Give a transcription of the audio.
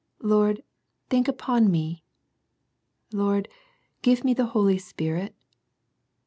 Lord, think upon me. Lord, give me the Holy Spirit.